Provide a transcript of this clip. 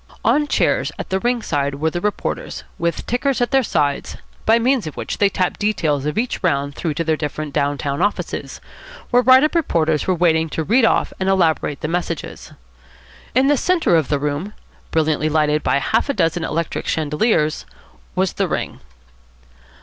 On chairs at the ring side were the reporters, with tickers at their sides, by means of which they tapped details of each round through to their down town offices, where write up reporters were waiting to read off and elaborate the messages. In the centre of the room, brilliantly lighted by half a dozen electric chandeliers, was the ring.